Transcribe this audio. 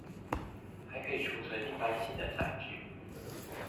還可以儲存一般性載具